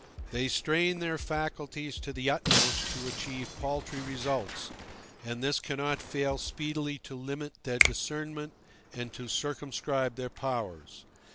They strain their faculties to the utmost to achieve paltry results, and this cannot fail speedily to limit their discernment and to circumscribe their powers.